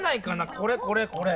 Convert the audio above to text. これこれこれ！